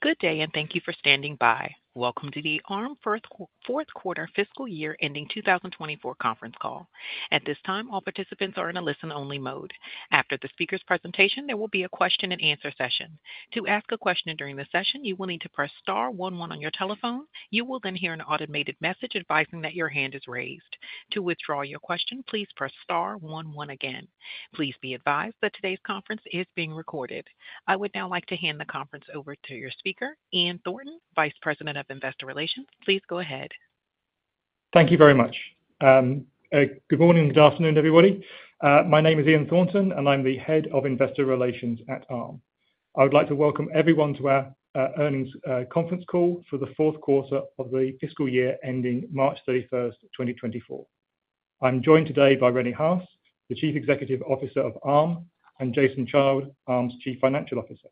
Good day, and thank you for standing by. Welcome to the Arm Fourth Quarter Fiscal Year Ending 2024 Conference Call. At this time, all participants are in a listen-only mode. After the speaker's presentation, there will be a question-and-answer session. To ask a question during the session, you will need to press star one one on your telephone. You will then hear an automated message advising that your hand is raised. To withdraw your question, please press star one one again. Please be advised that today's conference is being recorded. I would now like to hand the conference over to your speaker, Ian Thornton, Vice President of Investor Relations. Please go ahead. Thank you very much. Good morning and good afternoon, everybody. My name is Ian Thornton, and I'm the Head of Investor Relations at Arm. I would like to welcome everyone to our earnings conference call for the fourth quarter of the fiscal year ending March 31st, 2024. I'm joined today by Rene Haas, the Chief Executive Officer of Arm, and Jason Child, Arm's Chief Financial Officer.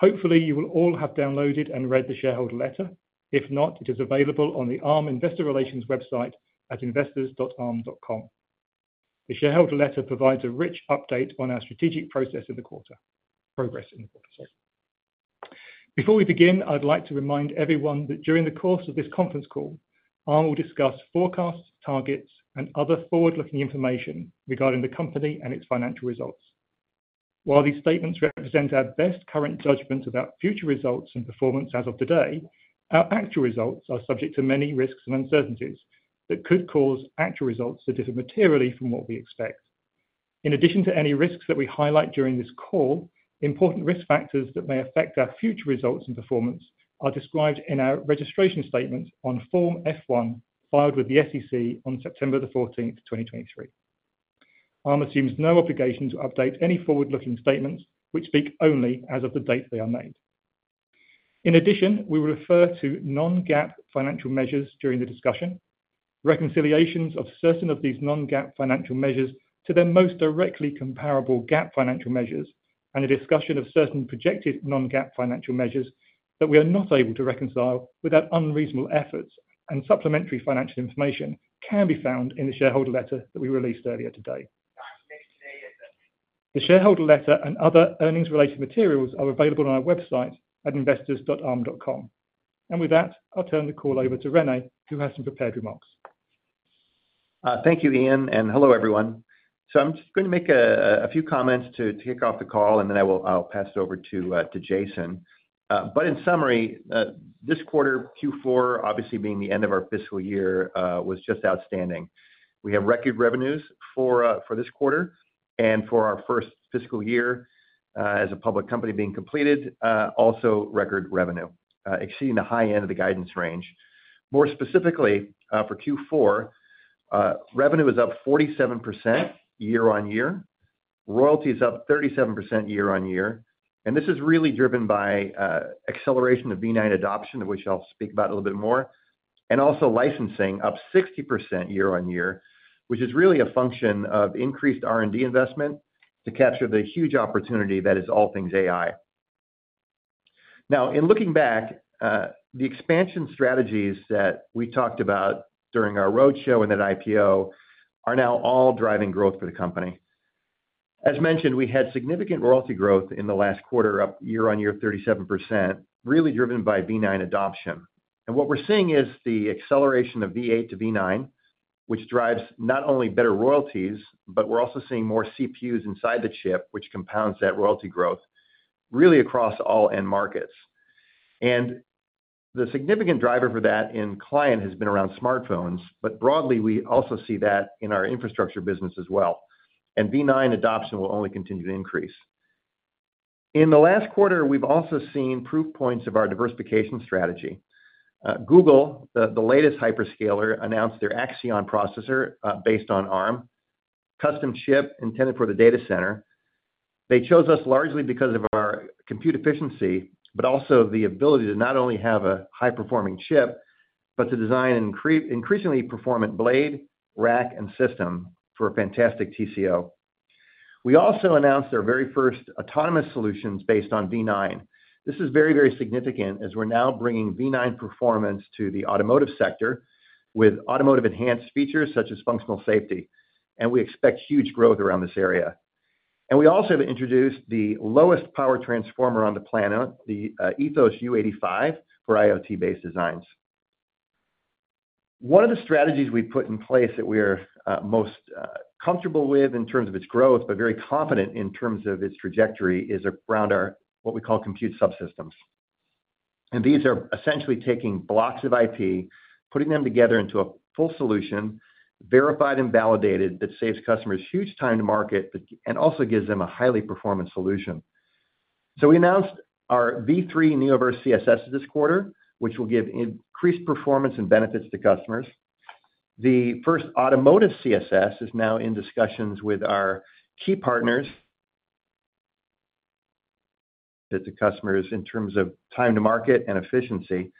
Hopefully, you will all have downloaded and read the shareholder letter. If not, it is available on the Arm Investor Relations website at investors.arm.com. The shareholder letter provides a rich update on our strategic process in the quarter, progress in the quarter, sorry. Before we begin, I'd like to remind everyone that during the course of this conference call, Arm will discuss forecasts, targets, and other forward-looking information regarding the company and its financial results. While these statements represent our best current judgments about future results and performance as of today, our actual results are subject to many risks and uncertainties that could cause actual results to differ materially from what we expect. In addition to any risks that we highlight during this call, important risk factors that may affect our future results and performance are described in our registration statement on Form F-1 filed with the SEC on September the 14th, 2023. Arm assumes no obligation to update any forward-looking statements which speak only as of the date they are made. In addition, we will refer to non-GAAP financial measures during the discussion, reconciliations of certain of these non-GAAP financial measures to their most directly comparable GAAP financial measures, and a discussion of certain projected non-GAAP financial measures that we are not able to reconcile without unreasonable efforts. Supplementary financial information can be found in the shareholder letter that we released earlier today. The shareholder letter and other earnings-related materials are available on our website at investors.arm.com. With that, I'll turn the call over to Rene, who has some prepared remarks. Thank you, Ian, and hello, everyone. So I'm just going to make a few comments to kick off the call, and then I will pass it over to Jason. In summary, this quarter, Q4, obviously being the end of our fiscal year, was just outstanding. We have record revenues for this quarter and for our first fiscal year, as a public company being completed, also record revenue, exceeding the high end of the guidance range. More specifically, for Q4, revenue is up 47% year-on-year. Royalty is up 37% year-on-year. And this is really driven by acceleration of V9 adoption, of which I'll speak about a little bit more, and also licensing up 60% year-on-year, which is really a function of increased R&D investment to capture the huge opportunity that is all things AI. Now, in looking back, the expansion strategies that we talked about during our roadshow and that IPO are now all driving growth for the company. As mentioned, we had significant royalty growth in the last quarter, up year-over-year 37%, really driven by V9 adoption. What we're seeing is the acceleration of V8 to V9, which drives not only better royalties, but we're also seeing more CPUs inside the chip, which compounds that royalty growth really across all end markets. The significant driver for that in client has been around smartphones, but broadly, we also see that in our infrastructure business as well. V9 adoption will only continue to increase. In the last quarter, we've also seen proof points of our diversification strategy. Google, the latest hyperscaler, announced their Axion processor, based on Arm custom chip intended for the data center. They chose us largely because of our compute efficiency, but also the ability to not only have a high-performing chip, but to design an increasingly performant blade, rack, and system for a fantastic TCO. We also announced our very first autonomous solutions based on V9. This is very, very significant, as we're now bringing V9 performance to the automotive sector with Automotive Enhanced features such as functional safety. And we expect huge growth around this area. And we also have introduced the lowest power transformer on the planet, the Ethos-U85, for IoT-based designs. One of the strategies we put in place that we're most comfortable with in terms of its growth, but very confident in terms of its trajectory, is around our what we call Compute Subsystems. These are essentially taking blocks of IP, putting them together into a full solution, verified and validated, that saves customers huge time to market, but and also gives them a highly performant solution. So we announced our V3 Neoverse CSS this quarter, which will give increased performance and benefits to customers. The first automotive CSS is now in discussions with our key partners to customers in terms of time to market and efficiency.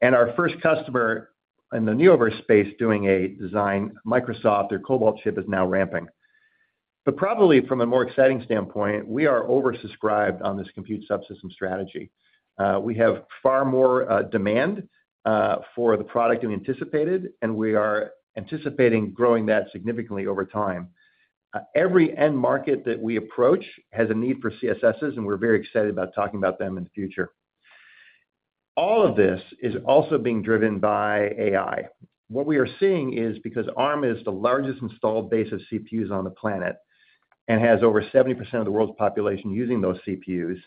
And our first customer in the Neoverse space doing a design, Microsoft, their Cobalt chip, is now ramping. But probably from a more exciting standpoint, we are oversubscribed on this compute subsystem strategy. We have far more demand for the product than we anticipated, and we are anticipating growing that significantly over time. Every end market that we approach has a need for CSSs, and we're very excited about talking about them in the future. All of this is also being driven by AI. What we are seeing is because Arm is the largest installed base of CPUs on the planet and has over 70% of the world's population using those CPUs,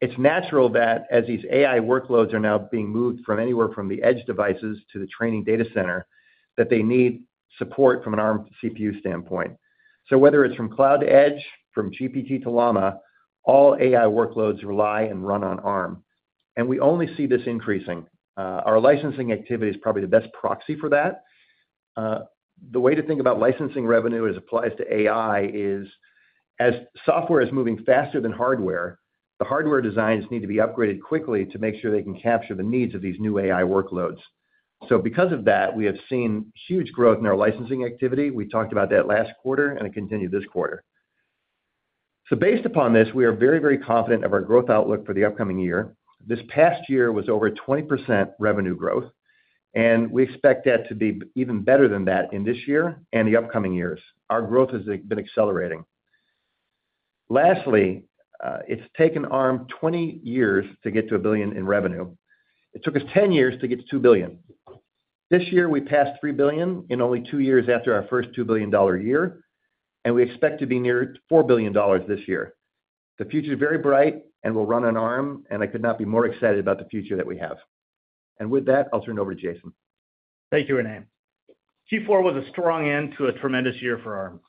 it's natural that as these AI workloads are now being moved from anywhere from the edge devices to the training data center, that they need support from an Arm CPU standpoint. So whether it's from cloud to edge, from GPT to Llama, all AI workloads rely and run on Arm. And we only see this increasing. Our licensing activity is probably the best proxy for that. The way to think about licensing revenue as it applies to AI is, as software is moving faster than hardware, the hardware designs need to be upgraded quickly to make sure they can capture the needs of these new AI workloads. So because of that, we have seen huge growth in our licensing activity. We talked about that last quarter, and it continued this quarter. So based upon this, we are very, very confident of our growth outlook for the upcoming year. This past year was over 20% revenue growth, and we expect that to be even better than that in this year and the upcoming years. Our growth has been accelerating. Lastly, it's taken Arm 20 years to get to $1 billion in revenue. It took us 10 years to get to $2 billion. This year, we passed $3 billion in only two years after our first $2 billion year, and we expect to be near $4 billion this year. The future's very bright, and we'll run on Arm, and I could not be more excited about the future that we have. With that, I'll turn it over to Jason. Thank you, Rene. Q4 was a strong end to a tremendous year for Arm.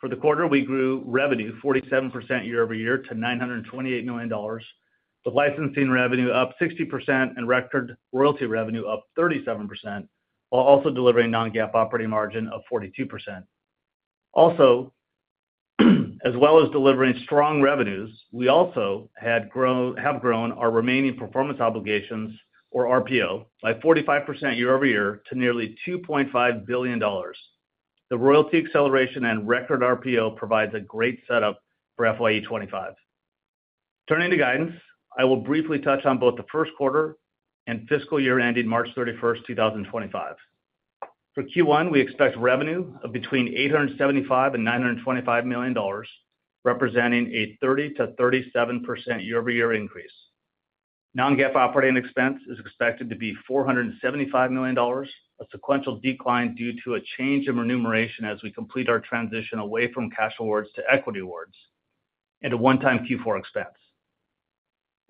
For the quarter, we grew revenue 47% year-over-year to $928 million, with licensing revenue up 60% and record royalty revenue up 37%, while also delivering non-GAAP operating margin of 42%. Also, as well as delivering strong revenues, we also had grown our remaining performance obligations, or RPO, by 45% year-over-year to nearly $2.5 billion. The royalty acceleration and record RPO provides a great setup for FY 2025. Turning to guidance, I will briefly touch on both the first quarter and fiscal year ending March 31st, 2025. For Q1, we expect revenue of between $875 million-$925 million, representing a 30%-37% year-over-year increase. Non-GAAP operating expense is expected to be $475 million, a sequential decline due to a change in remuneration as we complete our transition away from cash awards to equity awards and a one-time Q4 expense.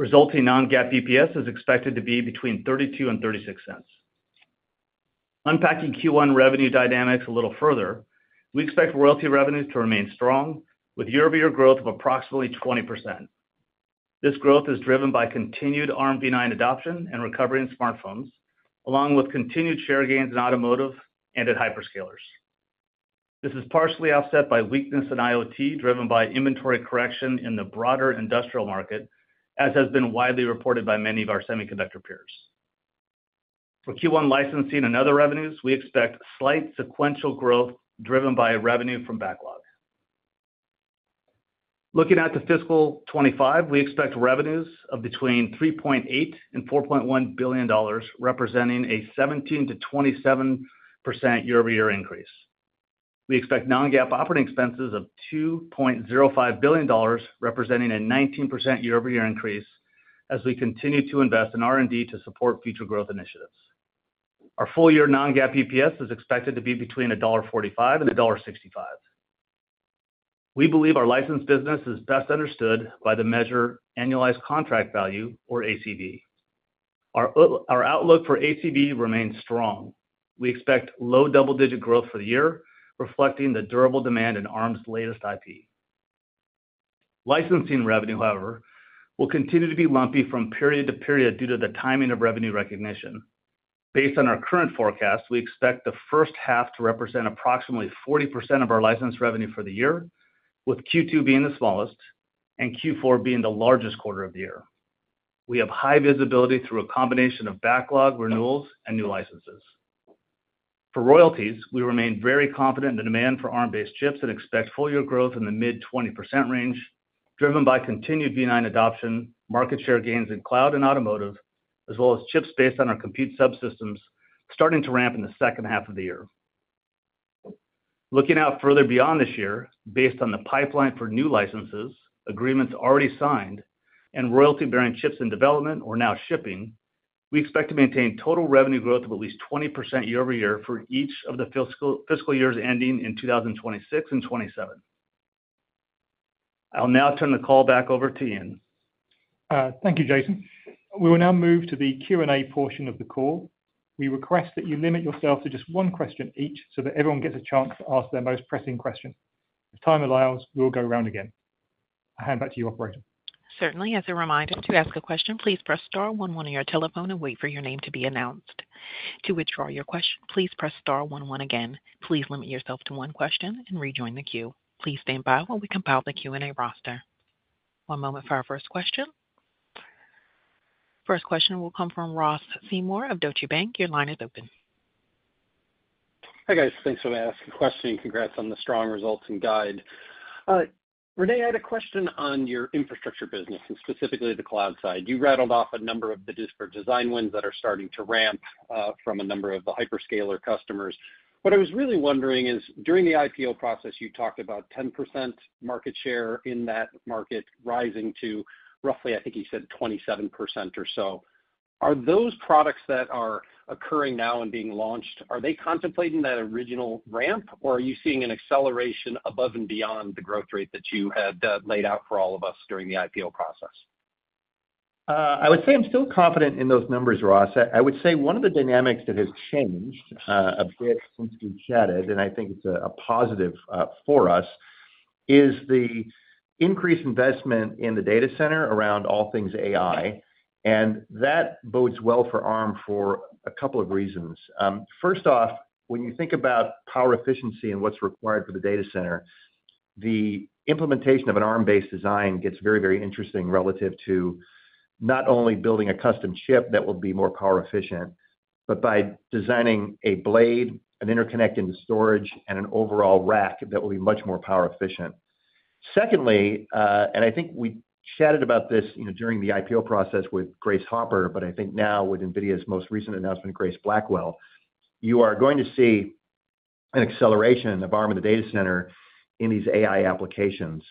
Resulting non-GAAP EPS is expected to be between $0.32 and $0.36. Unpacking Q1 revenue dynamics a little further, we expect royalty revenues to remain strong, with year-over-year growth of approximately 20%. This growth is driven by continued Armv9 adoption and recovery in smartphones, along with continued share gains in automotive and at hyperscalers. This is partially offset by weakness in IoT driven by inventory correction in the broader industrial market, as has been widely reported by many of our semiconductor peers. For Q1 licensing and other revenues, we expect slight sequential growth driven by revenue from backlog. Looking at the fiscal 2025, we expect revenues of between $3.8 and $4.1 billion, representing a 17%-27% year-over-year increase. We expect non-GAAP operating expenses of $2.05 billion, representing a 19% year-over-year increase as we continue to invest in R&D to support future growth initiatives. Our full-year non-GAAP EPS is expected to be between $1.45 and $1.65. We believe our licensed business is best understood by the measure annualized contract value, or ACV. Our outlook for ACV remains strong. We expect low double-digit growth for the year, reflecting the durable demand in Arm's latest IP. Licensing revenue, however, will continue to be lumpy from period to period due to the timing of revenue recognition. Based on our current forecast, we expect the first half to represent approximately 40% of our licensed revenue for the year, with Q2 being the smallest and Q4 being the largest quarter of the year. We have high visibility through a combination of backlog, renewals, and new licenses. For royalties, we remain very confident in the demand for Arm-based chips and expect full-year growth in the mid-20% range, driven by continued V9 adoption, market share gains in cloud and automotive, as well as chips based on our Compute Subsystems starting to ramp in the second half of the year. Looking out further beyond this year, based on the pipeline for new licenses, agreements already signed, and royalty-bearing chips in development or now shipping, we expect to maintain total revenue growth of at least 20% year-over-year for each of the fiscal years ending in 2026 and 2027. I'll now turn the call back over to Ian. Thank you, Jason. We will now move to the Q&A portion of the call. We request that you limit yourself to just one question each so that everyone gets a chance to ask their most pressing question. If time allows, we will go around again. I hand back to you, operator. Certainly. As a reminder, to ask a question, please press star one one on your telephone and wait for your name to be announced. To withdraw your question, please press star one one again. Please limit yourself to one question and rejoin the queue. Please stand by while we compile the Q&A roster. One moment for our first question. First question will come from Ross Seymore of Deutsche Bank. Your line is open. Hey, guys. Thanks for asking the question, and congrats on the strong results and guide. Rene, I had a question on your infrastructure business and specifically the cloud side. You rattled off a number of the discussed design wins that are starting to ramp, from a number of the hyperscaler customers. What I was really wondering is, during the IPO process, you talked about 10% market share in that market rising to roughly, I think you said, 27% or so. Are those products that are occurring now and being launched, are they contemplating that original ramp, or are you seeing an acceleration above and beyond the growth rate that you had laid out for all of us during the IPO process? I would say I'm still confident in those numbers, Ross. I, I would say one of the dynamics that has changed, a bit since we chatted, and I think it's a, a positive, for us, is the increased investment in the data center around all things AI. And that bodes well for Arm for a couple of reasons. First off, when you think about power efficiency and what's required for the data center, the implementation of an Arm-based design gets very, very interesting relative to not only building a custom chip that will be more power efficient, but by designing a blade, an interconnect into storage, and an overall rack that will be much more power efficient. Secondly, I think we chatted about this, you know, during the IPO process with Grace Hopper, but I think now with NVIDIA's most recent announcement, Grace Blackwell, you are going to see an acceleration of Arm in the data center in these AI applications.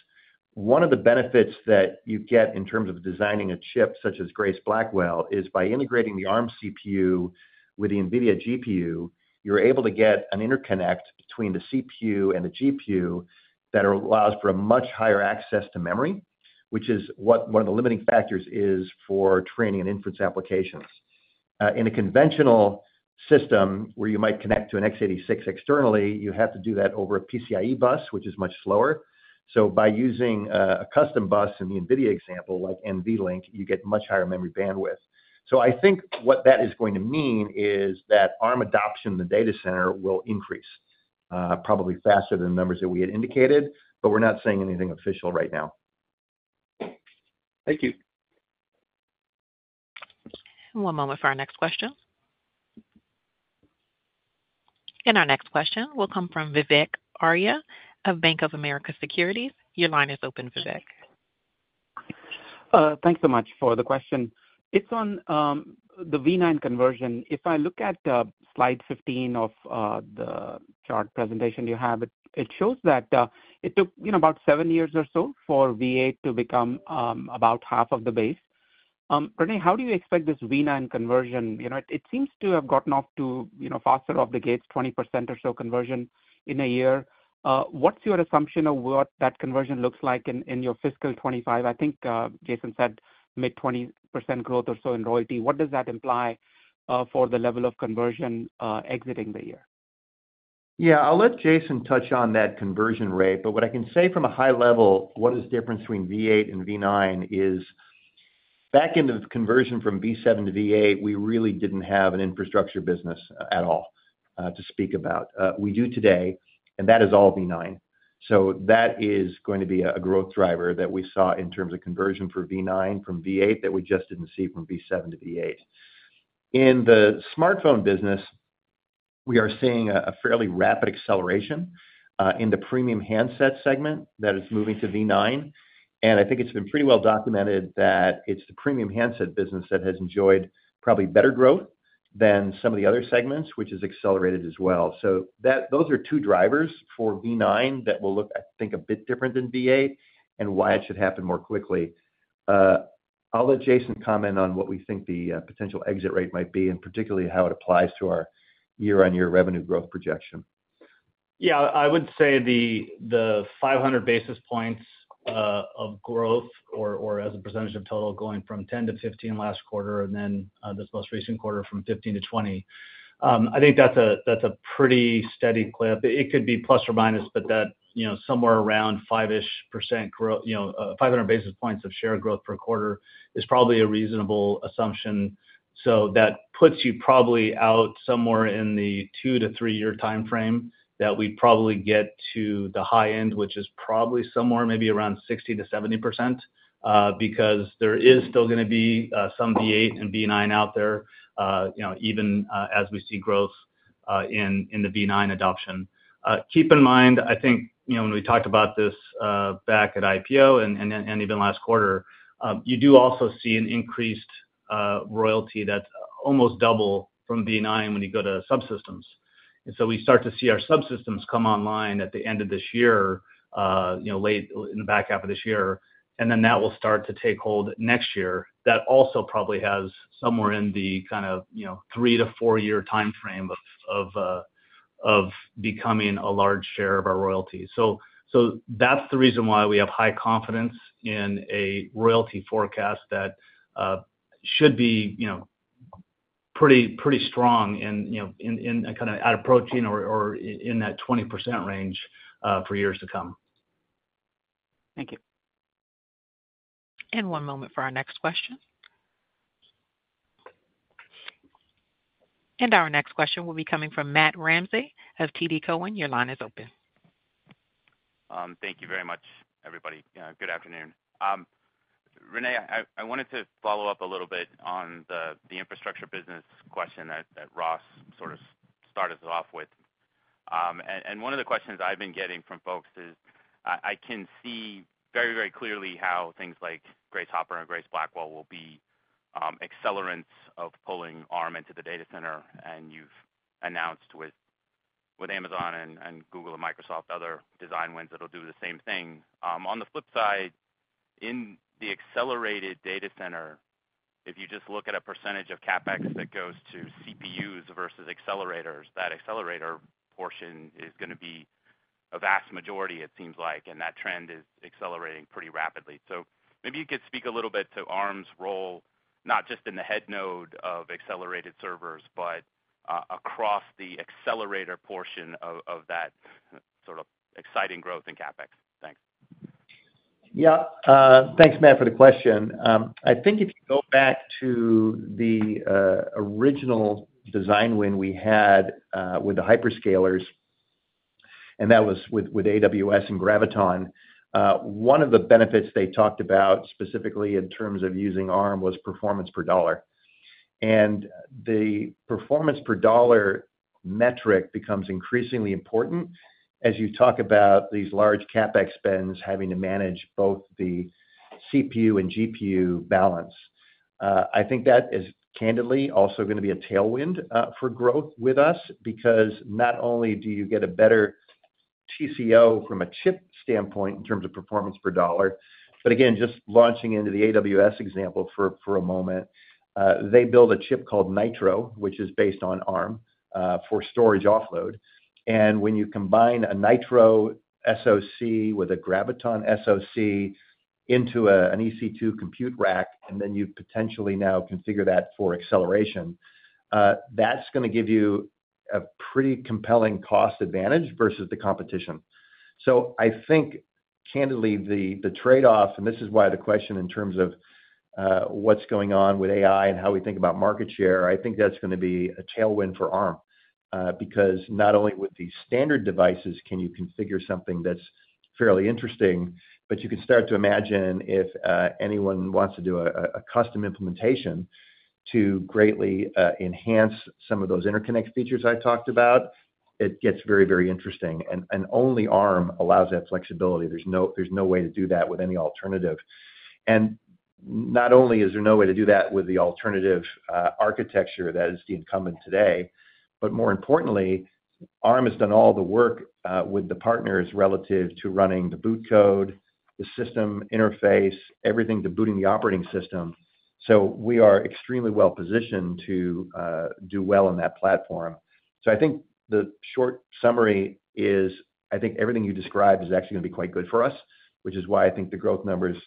One of the benefits that you get in terms of designing a chip such as Grace Blackwell is, by integrating the Arm CPU with the NVIDIA GPU, you're able to get an interconnect between the CPU and the GPU that allows for a much higher access to memory, which is what one of the limiting factors is for training and inference applications. In a conventional system where you might connect to an x86 externally, you have to do that over a PCIe bus, which is much slower. So by using a custom bus in the NVIDIA example, like NVLink, you get much higher memory bandwidth. I think what that is going to mean is that Arm adoption in the data center will increase, probably faster than the numbers that we had indicated, but we're not saying anything official right now. Thank you. One moment for our next question. Our next question will come from Vivek Arya of Bank of America Securities. Your line is open, Vivek. Thanks so much for the question. It's on the V9 conversion. If I look at slide 15 of the chart presentation you have, it shows that it took, you know, about seven years or so for V8 to become about half of the base. Rene, how do you expect this V9 conversion? You know, it seems to have gotten off to, you know, faster off the gates, 20% or so conversion in a year. What's your assumption of what that conversion looks like in your fiscal 2025? I think Jason said mid-20% growth or so in royalty. What does that imply for the level of conversion exiting the year? Yeah, I'll let Jason touch on that conversion rate, but what I can say from a high level, what is the difference between V8 and V9 is, back in the conversion from V7 to V8, we really didn't have an infrastructure business at all, to speak about. We do today, and that is all V9. So that is going to be a, a growth driver that we saw in terms of conversion for V9 from V8 that we just didn't see from V7 to V8. In the smartphone business, we are seeing a, a fairly rapid acceleration, in the premium handset segment that is moving to V9. And I think it's been pretty well documented that it's the premium handset business that has enjoyed probably better growth than some of the other segments, which has accelerated as well. So those are two drivers for V9 that will look, I think, a bit different than V8 and why it should happen more quickly. I'll let Jason comment on what we think the potential exit rate might be and particularly how it applies to our year-on-year revenue growth projection. Yeah, I w.ould say the 500 basis points of growth or as a percentage of total going from 10%-15% last quarter and then this most recent quarter from 15%-20%. I think that's a pretty steady clip. It could be plus or minus, but you know, somewhere around 5%-ish percent growth, you know, 500 basis points of share growth per quarter is probably a reasonable assumption. So that puts you probably out somewhere in the two to three year time frame that we'd probably get to the high end, which is probably somewhere maybe around 60%-70%, because there is still going to be some V8 and V9 out there, you know, even as we see growth in the V9 adoption. Keep in mind, I think, you know, when we talked about this, back at IPO and even last quarter, you do also see an increased royalty that's almost double from V9 when you go to subsystems. And so we start to see our subsystems come online at the end of this year, you know, late in the back half of this year, and then that will start to take hold next year. That also probably has somewhere in the kind of, you know, three to four year time frame of becoming a large share of our royalty. So that's the reason why we have high confidence in a royalty forecast that should be, you know, pretty strong and, you know, in kind of approaching or in that 20% range, for years to come. Thank you. One moment for our next question. Our next question will be coming from Matt Ramsay of TD Cowen. Your line is open. Thank you very much, everybody. You know, good afternoon. Rene, I wanted to follow up a little bit on the infrastructure business question that Ross sort of started us off with. And one of the questions I've been getting from folks is, I can see very, very clearly how things like Grace Hopper and Grace Blackwell will be accelerants of pulling Arm into the data center. And you've announced with Amazon and Google and Microsoft other design wins that'll do the same thing. On the flip side, in the accelerated data center, if you just look at a percentage of CapEx that goes to CPUs versus accelerators, that accelerator portion is going to be a vast majority, it seems like, and that trend is accelerating pretty rapidly. Maybe you could speak a little bit to Arm's role, not just in the head node of accelerated servers, but across the accelerator portion of that sort of exciting growth in CapEx. Thanks. Yeah. Thanks, Matt, for the question. I think if you go back to the original design win we had with the hyperscalers, and that was with AWS and Graviton, one of the benefits they talked about specifically in terms of using Arm was performance per dollar. And the performance per dollar metric becomes increasingly important as you talk about these large CapEx spends having to manage both the CPU and GPU balance. I think that is candidly also going to be a tailwind for growth with us because not only do you get a better TCO from a chip standpoint in terms of performance per dollar, but again, just launching into the AWS example for a moment, they build a chip called Nitro, which is based on Arm, for storage offload. And when you combine a Nitro SoC with a Graviton SoC into an EC2 compute rack, and then you potentially now configure that for acceleration, that's going to give you a pretty compelling cost advantage versus the competition. So I think, candidly, the trade-off, and this is why the question in terms of what's going on with AI and how we think about market share, I think that's going to be a tailwind for Arm, because not only with the standard devices can you configure something that's fairly interesting, but you can start to imagine if anyone wants to do a custom implementation to greatly enhance some of those interconnect features I talked about, it gets very, very interesting. And only Arm allows that flexibility. There's no way to do that with any alternative. And not only is there no way to do that with the alternative architecture that is the incumbent today, but more importantly, Arm has done all the work with the partners relative to running the boot code, the system interface, everything to booting the operating system. So we are extremely well positioned to do well on that platform. So I think the short summary is, I think everything you described is actually going to be quite good for us, which is why I think the growth numbers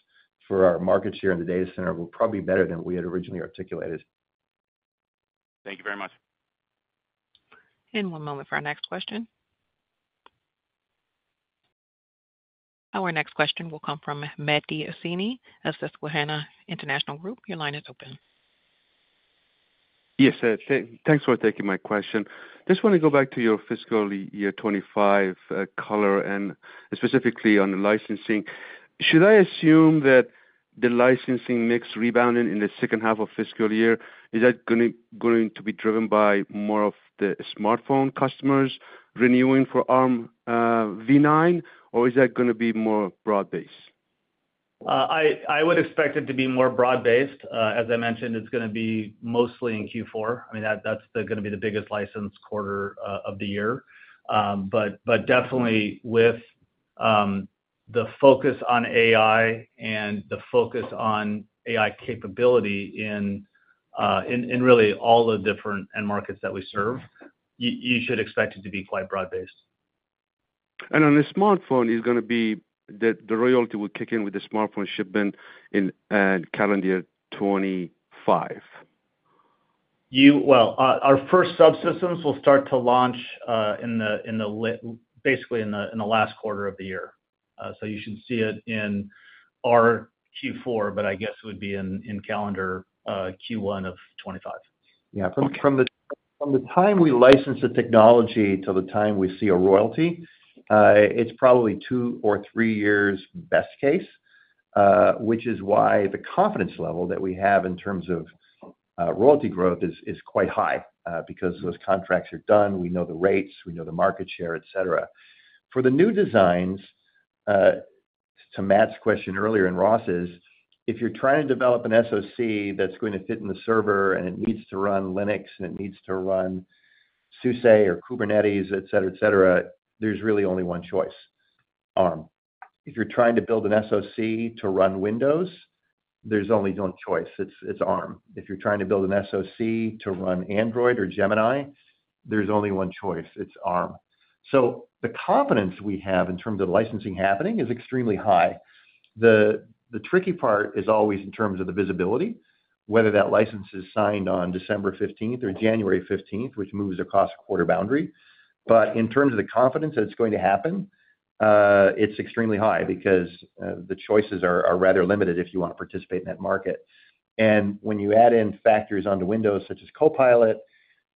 for our market share in the data center will probably be better than we had originally articulated. Thank you very much. One moment for our next question. Our next question will come from Mehdi Hosseini of Susquehanna International Group. Your line is open. Yes. Thanks for taking my question. Just want to go back to your fiscal year 2025 color, and specifically on the licensing. Should I assume that the licensing mix rebounded in the second half of fiscal year? Is that going to be driven by more of the smartphone customers renewing for Armv9, or is that going to be more broad-based? I would expect it to be more broad-based. As I mentioned, it's going to be mostly in Q4. I mean, that's going to be the biggest license quarter of the year. But definitely with the focus on AI and the focus on AI capability in really all the different end markets that we serve, you should expect it to be quite broad-based. On the smartphone, it's going to be that the royalty will kick in with the smartphone shipment in calendar year 2025? Well, our first subsystems will start to launch basically in the last quarter of the year. So you should see it in our Q4, but I guess it would be in calendar Q1 of 2025. Yeah. From the time we license the technology till the time we see a royalty, it's probably two or three years best case, which is why the confidence level that we have in terms of royalty growth is quite high, because those contracts are done. We know the rates. We know the market share, etc. For the new designs, to Matt's question earlier and Ross's, if you're trying to develop an SoC that's going to fit in the server and it needs to run Linux and it needs to run SUSE or Kubernetes, etc., etc., there's really only one choice: Arm. If you're trying to build an SoC to run Windows, there's only one choice. It's Arm. If you're trying to build an SoC to run Android or Gemini, there's only one choice. It's Arm. So the confidence we have in terms of licensing happening is extremely high. The tricky part is always in terms of the visibility, whether that license is signed on December 15th or January 15th, which moves across the quarter boundary. But in terms of the confidence that it's going to happen, it's extremely high because the choices are rather limited if you want to participate in that market. And when you add in factors onto Windows such as Copilot,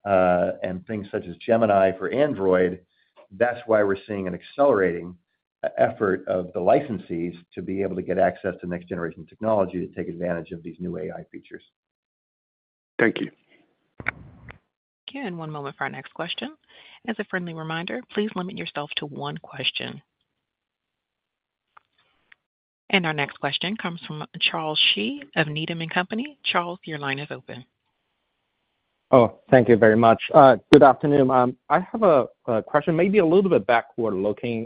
and things such as Gemini for Android, that's why we're seeing an accelerating effort of the licensees to be able to get access to next-generation technology to take advantage of these new AI features. Thank you. Thank you. And one moment for our next question. As a friendly reminder, please limit yourself to one question. And our next question comes from Charles Shi of Needham & Company. Charles, your line is open. Oh, thank you very much. Good afternoon. I have a, a question, maybe a little bit backward-looking.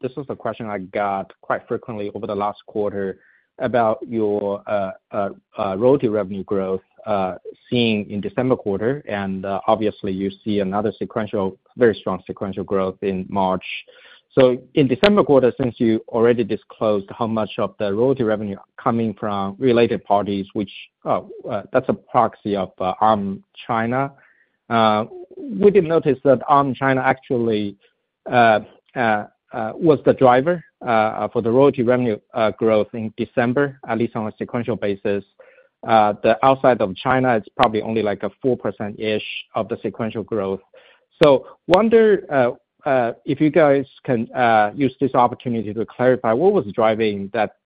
This was a question I got quite frequently over the last quarter about your royalty revenue growth seen in December quarter. Obviously, you see another sequential very strong sequential growth in March. In December quarter, since you already disclosed how much of the royalty revenue coming from related parties, which that's a proxy of Arm China, we did notice that Arm China actually was the driver for the royalty revenue growth in December, at least on a sequential basis. The outside of China, it's probably only like a 4%-ish of the sequential growth. Wonder if you guys can use this opportunity to clarify what was driving that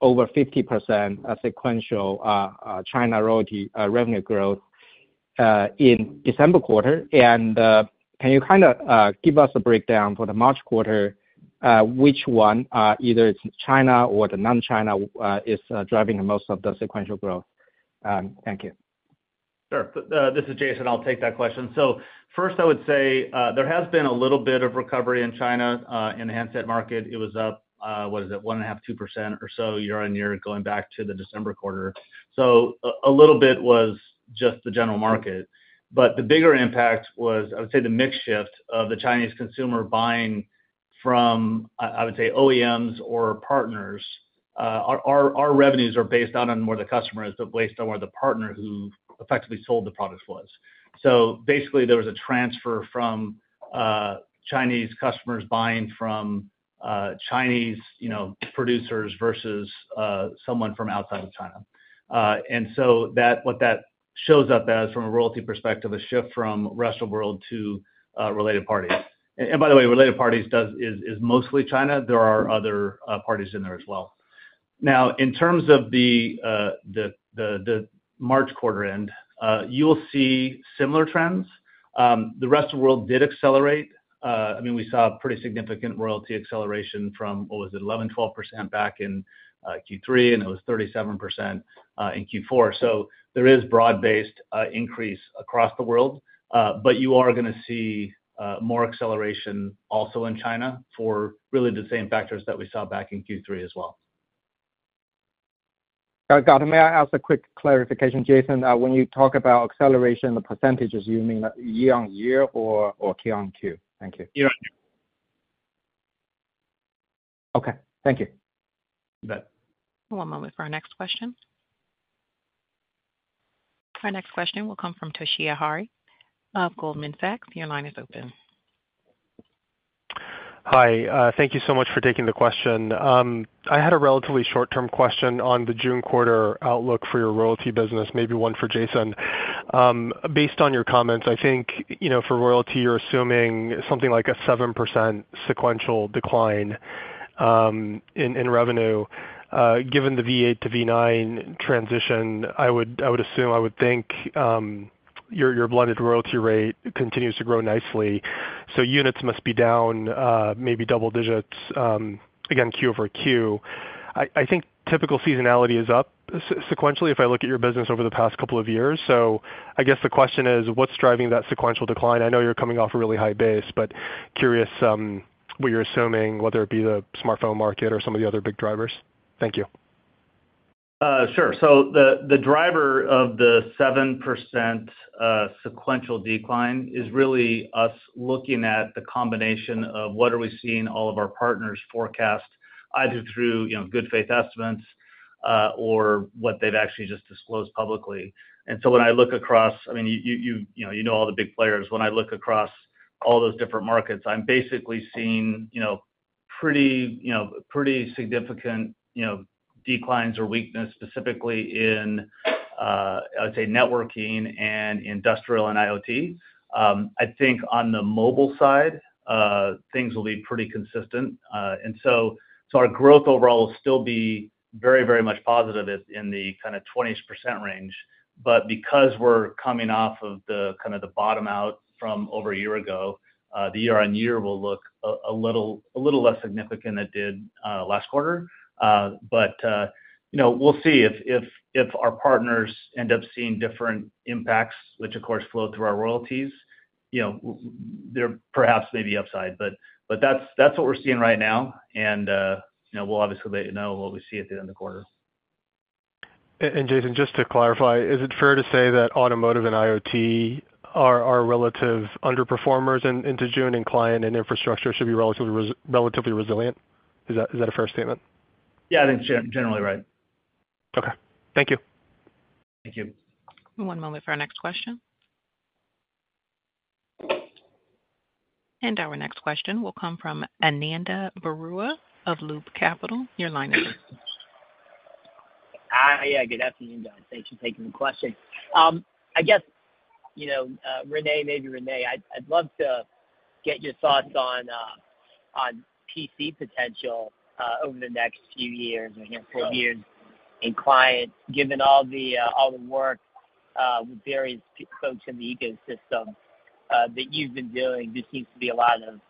over 50% sequential China royalty revenue growth in December quarter. Can you kind of give us a breakdown for the March quarter, which one, either it's China or the non-China, is driving most of the sequential growth? Thank you. Sure. This is Jason. I'll take that question. So first, I would say, there has been a little bit of recovery in China, in the handset market. It was up, what is it, 1.5%, 2% or so year-on-year going back to the December quarter. So a little bit was just the general market. But the bigger impact was, I would say, the mix shift of the Chinese consumer buying from, I would say, OEMs or partners. Our revenues are based out on more the customers but based on where the partner who effectively sold the product was. So basically, there was a transfer from, Chinese customers buying from, Chinese, you know, producers versus, someone from outside of China. And so that what that shows up as from a royalty perspective, a shift from Rest of World to, related parties. And by the way, related parties is mostly China. There are other parties in there as well. Now, in terms of the March quarter end, you'll see similar trends. The Rest of World did accelerate. I mean, we saw a pretty significant royalty acceleration from, what was it, 11%-12% back in Q3, and it was 37% in Q4. So there is broad-based increase across the world. But you are going to see more acceleration also in China for really the same factors that we saw back in Q3 as well. Got it. May I ask a quick clarification, Jason? When you talk about acceleration, the percentages, you mean year-over-year or, or Q-on-Q? Thank you. Year-over-year. Okay. Thank you. You bet. One moment for our next question. Our next question will come from Toshiya Hari of Goldman Sachs. Your line is open. Hi. Thank you so much for taking the question. I had a relatively short-term question on the June quarter outlook for your royalty business, maybe one for Jason. Based on your comments, I think, you know, for royalty, you're assuming something like a 7% sequential decline in revenue. Given the V8 to V9 transition, I would assume I would think your blended royalty rate continues to grow nicely. So units must be down, maybe double digits, again, Q-for-Q. I think typical seasonality is up sequentially if I look at your business over the past couple of years. So I guess the question is, what's driving that sequential decline? I know you're coming off a really high base, but curious, what you're assuming, whether it be the smartphone market or some of the other big drivers. Thank you. Sure. So the driver of the 7% sequential decline is really us looking at the combination of what are we seeing all of our partners forecast either through, you know, good faith estimates, or what they've actually just disclosed publicly. And so when I look across, I mean, you know, you know all the big players. When I look across all those different markets, I'm basically seeing, you know, pretty significant, you know, declines or weakness specifically in, I would say, networking and industrial and IoT. I think on the mobile side, things will be pretty consistent. And so our growth overall will still be very, very much positive in the kind of 20% range. But because we're coming off of the kind of the bottom out from over a year ago, the year-on-year will look a little less significant than it did last quarter. But you know, we'll see if our partners end up seeing different impacts, which of course flow through our royalties. You know, they're perhaps maybe upside. But that's what we're seeing right now. And you know, we'll obviously let you know what we see at the end of the quarter. And Jason, just to clarify, is it fair to say that automotive and IoT are relative underperformers into June, and client and infrastructure should be relatively resilient? Is that a fair statement? Yeah. I think generally right. Okay. Thank you. Thank you. One moment for our next question. Our next question will come from Ananda Baruah of Loop Capital. Your line is open. Hi. Yeah. Good afternoon, John. Thanks for taking the question. I guess, you know, Rene, maybe Rene. I, I'd love to get your thoughts on, on PC potential, over the next few years or here in four years in clients. Given all the, all the work, with various folks in the ecosystem, that you've been doing, there seems to be a lot of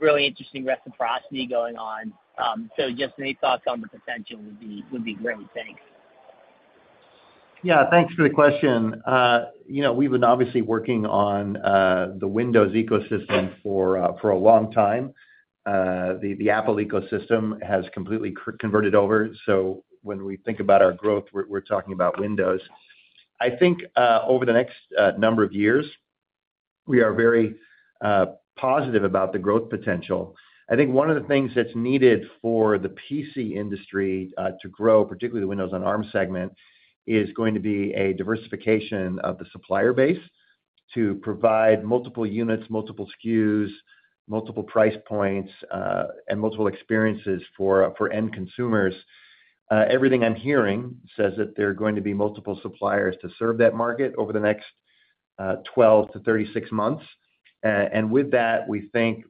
really interesting reciprocity going on. So Jason, any thoughts on the potential would be would be great. Thanks. Yeah. Thanks for the question. You know, we've been obviously working on the Windows ecosystem for a long time. The Apple ecosystem has completely converted over. So when we think about our growth, we're talking about Windows. I think, over the next number of years, we are very positive about the growth potential. I think one of the things that's needed for the PC industry to grow, particularly the Windows on Arm segment, is going to be a diversification of the supplier base to provide multiple units, multiple SKUs, multiple price points, and multiple experiences for end consumers. Everything I'm hearing says that there are going to be multiple suppliers to serve that market over the next 12 to 36 months. With that, we think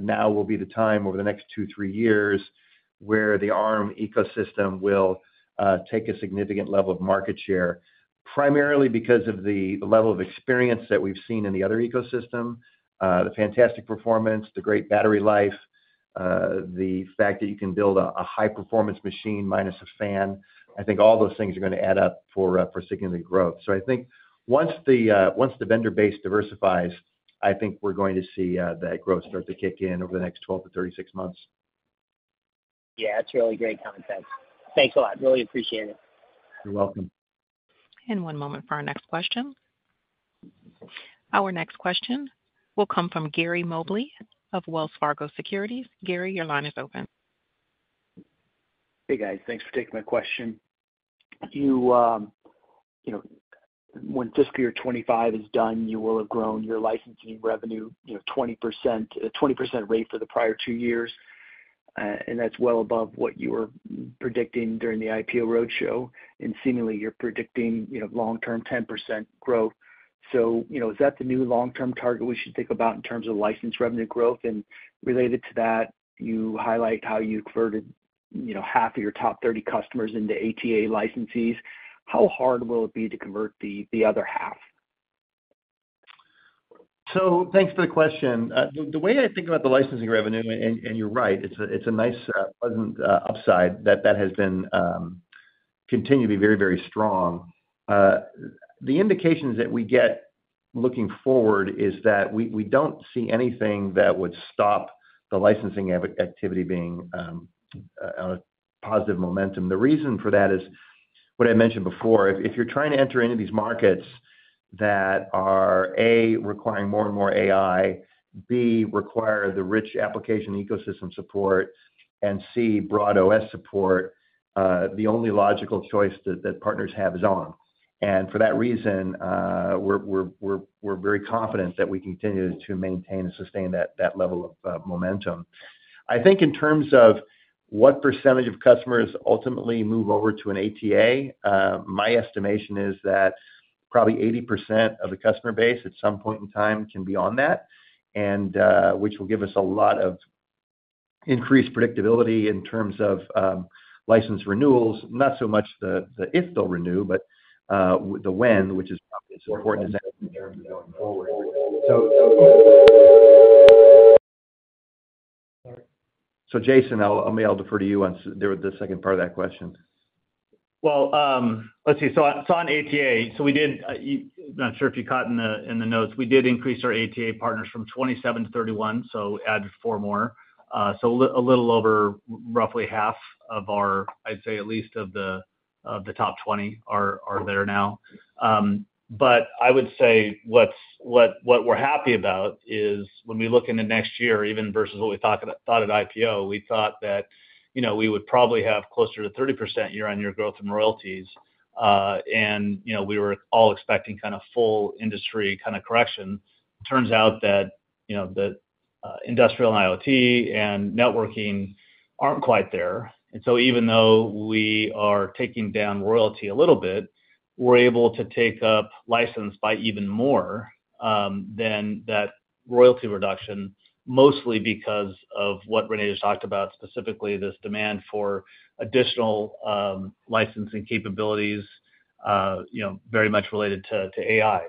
now will be the time over the next two, three years where the Arm ecosystem will take a significant level of market share, primarily because of the level of experience that we've seen in the other ecosystem, the fantastic performance, the great battery life, the fact that you can build a high-performance machine minus a fan. I think all those things are going to add up for significant growth. So I think once the vendor base diversifies, I think we're going to see that growth start to kick in over the next 12 to 36 months. Yeah. That's really great context. Thanks a lot. Really appreciate it. You're welcome. One moment for our next question. Our next question will come from Gary Mobley of Wells Fargo Securities. Gary, your line is open. Hey, guys. Thanks for taking my question. You know, when fiscal year 2025 is done, you will have grown your licensing revenue, you know, 20% at a 20% rate for the prior two years. That's well above what you were predicting during the IPO roadshow. Seemingly, you're predicting, you know, long-term 10% growth. You know, is that the new long-term target we should think about in terms of license revenue growth? Related to that, you highlight how you converted, you know, half of your top 30 customers into ATA licensees. How hard will it be to convert the other half? Thanks for the question. The way I think about the licensing revenue and you're right, it's a nice, pleasant upside that has continued to be very, very strong. The indications that we get looking forward is that we don't see anything that would stop the licensing activity being on a positive momentum. The reason for that is what I mentioned before. If you're trying to enter into these markets that are A, requiring more and more AI, B, require the rich application ecosystem support, and C, broad OS support, the only logical choice that partners have is Arm. For that reason, we're very confident that we continue to maintain and sustain that level of momentum. I think in terms of what percentage of customers ultimately move over to an ATA, my estimation is that probably 80% of the customer base at some point in time can be on that, which will give us a lot of increased predictability in terms of license renewals. Not so much the if they'll renew, but the when, which is probably as important as anything in terms of going forward. So, so. Sorry. So, Jason, I'll defer to you on the second part of that question. Well, let's see. So, on ATA, so we did. You, I'm not sure if you caught in the notes. We did increase our ATA partners from 27 to 31, so added 4 more. So a little over roughly half of our—I'd say at least of the top 20 are there now. But I would say what's—what—what we're happy about is when we look into next year, even versus what we thought at IPO, we thought that, you know, we would probably have closer to 30% year-on-year growth in royalties. And, you know, we were all expecting kind of full industry kind of correction. Turns out that, you know, the industrial and IoT and networking aren't quite there. And so even though we are taking down royalty a little bit, we're able to take up license by even more than that royalty reduction, mostly because of what Rene just talked about, specifically this demand for additional licensing capabilities, you know, very much related to AI.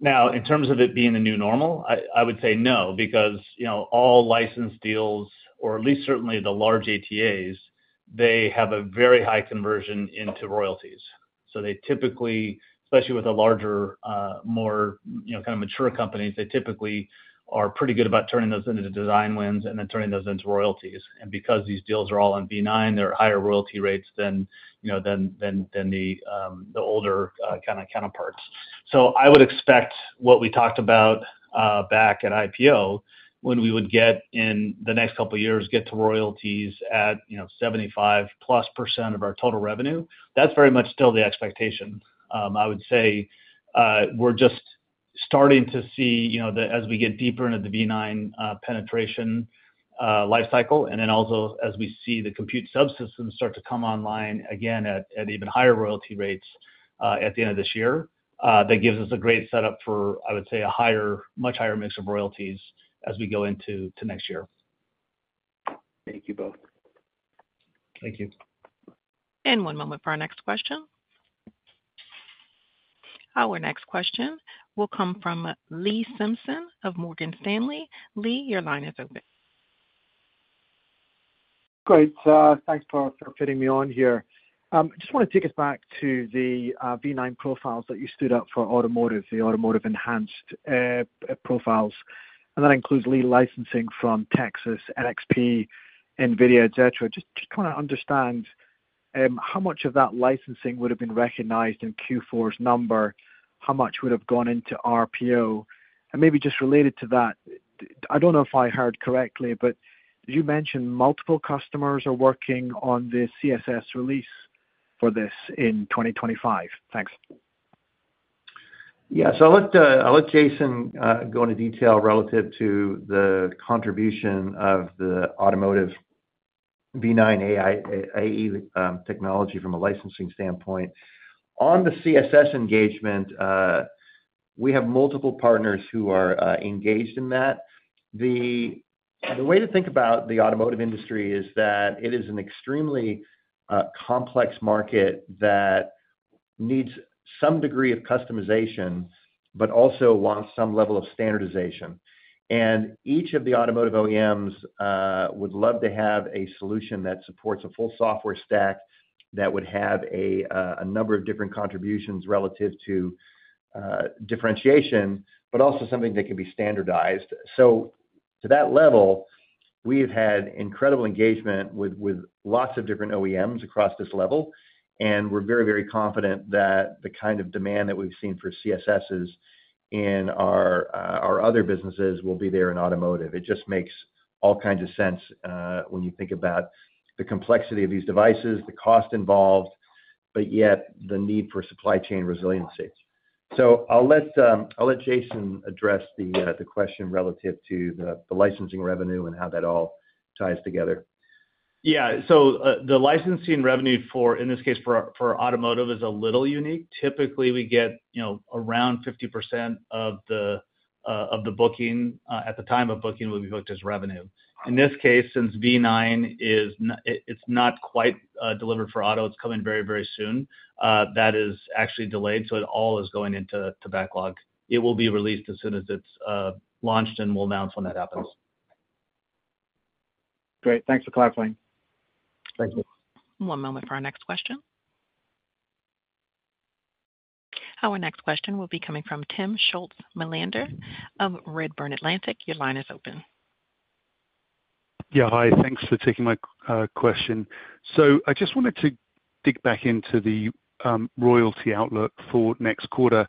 Now, in terms of it being the new normal, I would say no because, you know, all license deals or at least certainly the large ATAs, they have a very high conversion into royalties. So they typically especially with the larger, you know, kind of mature companies, they typically are pretty good about turning those into design wins and then turning those into royalties. And because these deals are all on V9, they're at higher royalty rates than, you know, the older, kind of counterparts. So I would expect what we talked about, back at IPO, when we would get in the next couple of years, get to royalties at, you know, 75%+ of our total revenue, that's very much still the expectation. I would say, we're just starting to see, you know, as we get deeper into the V9 penetration lifecycle, and then also as we see the Compute Subsystems start to come online again at even higher royalty rates, at the end of this year, that gives us a great setup for, I would say, a much higher mix of royalties as we go into next year. Thank you both. Thank you. One moment for our next question. Our next question will come from Lee Simpson of Morgan Stanley. Lee, your line is open. Great. Thanks for fitting me on here. Just want to take us back to the Armv9 profiles that you stood up for automotive, the automotive enhanced profiles. And that includes free licensing from Texas Instruments, NXP, NVIDIA, etc. Just want to understand how much of that licensing would have been recognized in Q4's number, how much would have gone into RPO. And maybe just related to that, I don't know if I heard correctly, but you mentioned multiple customers are working on the CSS release for this in 2025. Thanks. Yeah. So I'll let Jason go into detail relative to the contribution of the automotive v9 AI technology from a licensing standpoint. On the CSS engagement, we have multiple partners who are engaged in that. The way to think about the automotive industry is that it is an extremely complex market that needs some degree of customization but also wants some level of standardization. And each of the automotive OEMs would love to have a solution that supports a full software stack that would have a number of different contributions relative to differentiation but also something that can be standardized. So to that level, we've had incredible engagement with lots of different OEMs across this level. And we're very, very confident that the kind of demand that we've seen for CSSs in our other businesses will be there in automotive. It just makes all kinds of sense, when you think about the complexity of these devices, the cost involved, but yet the need for supply chain resiliency. So I'll let Jason address the question relative to the licensing revenue and how that all ties together. Yeah. So, the licensing revenue for, in this case, for automotive is a little unique. Typically, we get, you know, around 50% of the, of the booking, at the time of booking will be booked as revenue. In this case, since V9 is, it's not quite delivered for auto. It's coming very, very soon. That is actually delayed. So it all is going into backlog. It will be released as soon as it's launched, and we'll announce when that happens. Great. Thanks for clarifying. Thank you. One moment for our next question. Our next question will be coming from Timm Schulze-Melander of Redburn Atlantic. Your line is open. Yeah. Hi. Thanks for taking my question. So I just wanted to dig back into the royalty outlook for next quarter,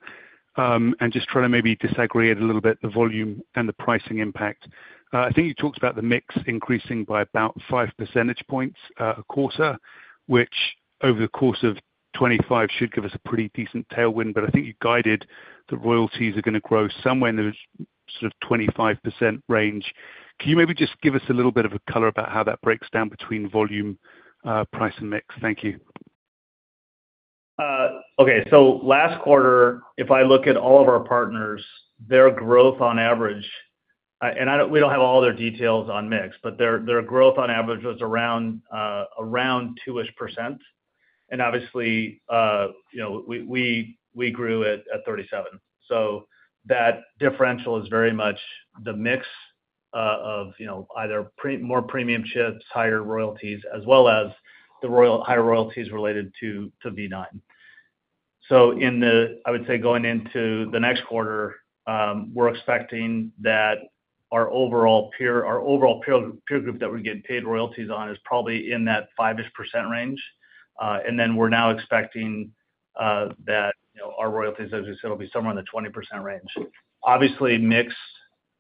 and just try to maybe disaggregate a little bit the volume and the pricing impact. I think you talked about the mix increasing by about 5 percentage points a quarter, which over the course of 2025 should give us a pretty decent tailwind. But I think you guided that royalties are going to grow somewhere in the sort of 25% range. Can you maybe just give us a little bit of a color about how that breaks down between volume, price, and mix? Thank you. Okay. So last quarter, if I look at all of our partners, their growth on average. I don't, we don't have all their details on mix. But their growth on average was around 2%-ish. And obviously, you know, we grew at 37%. So that differential is very much the mix of, you know, either more premium chips, higher royalties, as well as the higher royalties related to V9. So I would say going into the next quarter, we're expecting that our overall peer group that we're getting paid royalties on is probably in that 5%-ish range. And then we're now expecting that, you know, our royalties, as we said, will be somewhere in the 20% range. Obviously, mix,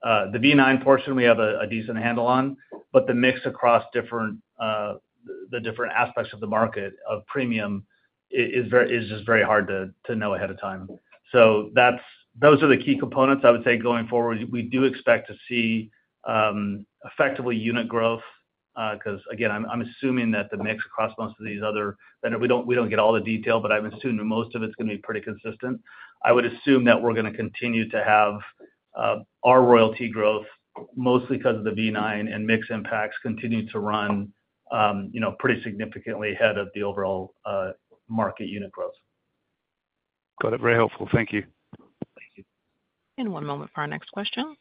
the V9 portion, we have a decent handle on. But the mix across different aspects of the market of premium is just very hard to know ahead of time. So those are the key components, I would say, going forward. We do expect to see effectively unit growth, because, again, I'm assuming that the mix across most of these other vendors we don't get all the detail. But I'm assuming most of it's going to be pretty consistent. I would assume that we're going to continue to have our royalty growth, mostly because of the V9 and mix impacts, continue to run, you know, pretty significantly ahead of the overall market unit growth. Got it. Very helpful. Thank you. Thank you. One moment for our next question.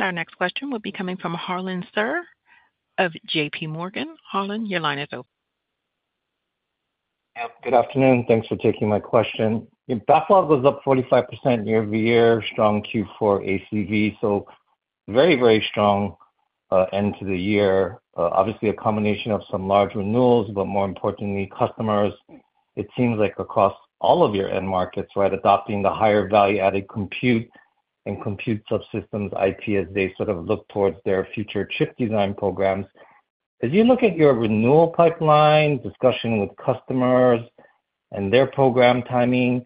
Our next question will be coming from Harlan Sur of JPMorgan. Harlan, your line is open. Yeah. Good afternoon. Thanks for taking my question. You know, backlog was up 45% year-over-year, strong Q4 ACV. So very, very strong end to the year. Obviously, a combination of some large renewals. But more importantly, customers, it seems like across all of your end markets, right, adopting the higher value-added compute and Compute Subsystems IP as they sort of look towards their future chip design programs. As you look at your renewal pipeline, discussion with customers and their program timing,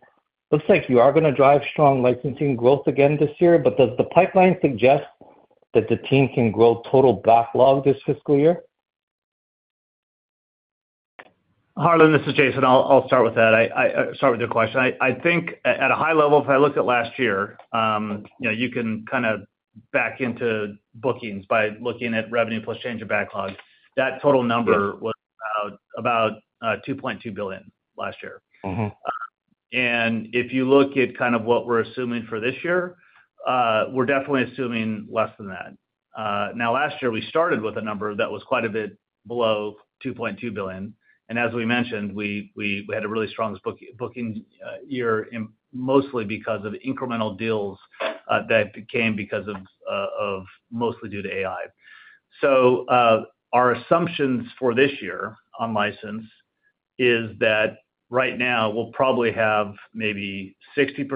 looks like you are going to drive strong licensing growth again this year. But does the pipeline suggest that the team can grow total backlog this fiscal year? Harlan, this is Jason. I'll start with that. I start with your question. I think at a high level, if I looked at last year, you know, you can kind of back into bookings by looking at revenue plus change of backlog. That total number was about $2.2 billion last year. Mm-hmm. If you look at kind of what we're assuming for this year, we're definitely assuming less than that. Now, last year, we started with a number that was quite a bit below $2.2 billion. As we mentioned, we had a really strong booking year in mostly because of incremental deals that came because of mostly due to AI. Our assumptions for this year on license is that right now, we'll probably have maybe 60%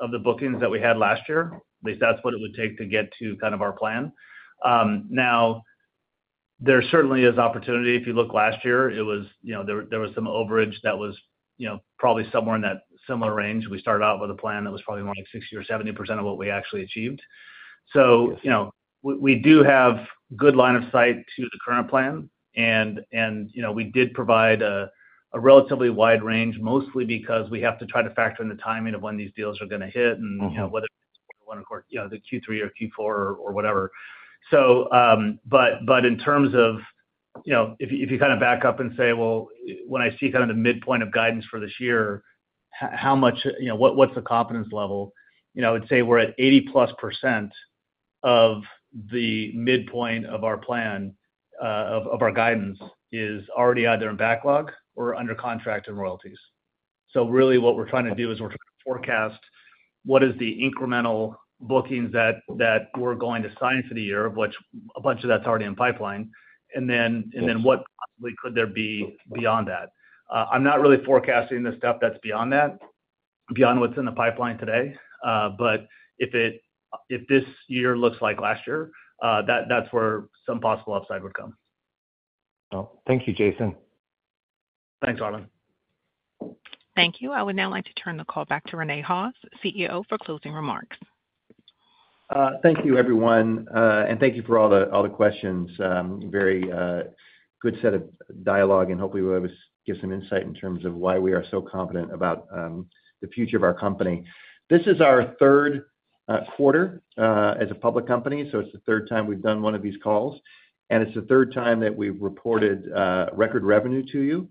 of the bookings that we had last year. At least that's what it would take to get to kind of our plan. Now, there certainly is opportunity. If you look last year, it was you know, there was some overage that was, you know, probably somewhere in that similar range. We started out with a plan that was probably more like 60% or 70% of what we actually achieved. So, you know, we do have good line of sight to the current plan. And, you know, we did provide a relatively wide range, mostly because we have to try to factor in the timing of when these deals are going to hit and, you know, whether it's Q1 or Q4, you know, the Q3 or Q4 or whatever. But in terms of, you know, if you kind of back up and say, "Well, when I see kind of the midpoint of guidance for this year, how much you know, what's the confidence level?" you know, I would say we're at 80%+ of the midpoint of our plan, of our guidance is already either in backlog or under contract and royalties. So really, what we're trying to do is we're trying to forecast what is the incremental bookings that we're going to sign for the year, of which a bunch of that's already in pipeline, and then what possibly could there be beyond that. I'm not really forecasting the stuff that's beyond that, beyond what's in the pipeline today. But if this year looks like last year, that's where some possible upside would come. Oh. Thank you, Jason. Thanks, Harlan. Thank you. I would now like to turn the call back to Rene Haas, CEO, for closing remarks. Thank you, everyone. Thank you for all the all the questions. Very good set of dialogue, and hopefully we'll always give some insight in terms of why we are so confident about the future of our company. This is our third quarter as a public company. So it's the third time we've done one of these calls. It's the third time that we've reported record revenue to you.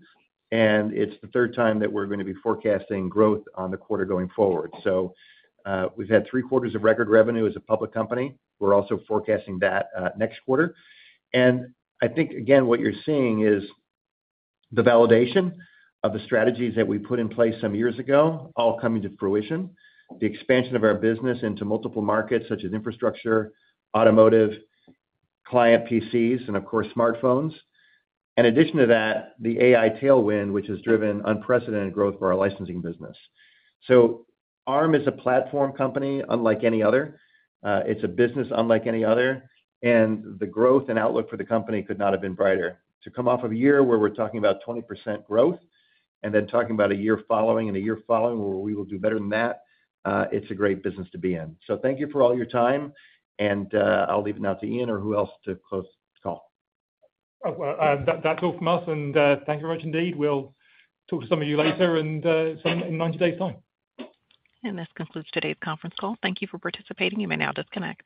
It's the third time that we're going to be forecasting growth on the quarter going forward. So we've had three quarters of record revenue as a public company. We're also forecasting that next quarter. I think, again, what you're seeing is the validation of the strategies that we put in place some years ago, all coming to fruition, the expansion of our business into multiple markets such as infrastructure, automotive, client PCs, and, of course, smartphones. In addition to that, the AI tailwind, which has driven unprecedented growth for our licensing business. So Arm is a platform company unlike any other. It's a business unlike any other. The growth and outlook for the company could not have been brighter. To come off of a year where we're talking about 20% growth and then talking about a year following and a year following where we will do better than that, it's a great business to be in. So thank you for all your time. I'll leave it now to Ian or who else to close the call. Oh, well, that, that's all from us. Thank you very much indeed. We'll talk to some of you later and, some in 90 days' time. This concludes today's conference call. Thank you for participating. You may now disconnect.